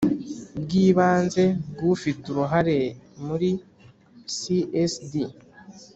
Bw ibanze bw ufite uruhare muri csd